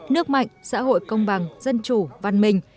nước mạnh xã hội công bằng dân chủ văn minh